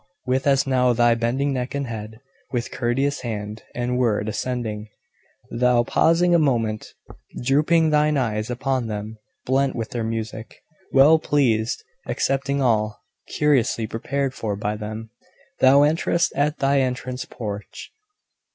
with as now thy bending neck and head, with courteous hand and word, ascending, Thou! pausing a moment, drooping thine eyes upon them, blent with their music, Well pleased, accepting all, curiously prepared for by them, Thou enterest at thy entrance porch.